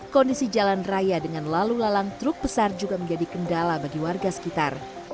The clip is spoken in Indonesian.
kondisi jalan raya dengan lalu lalang truk besar juga menjadi kendala bagi warga sekitar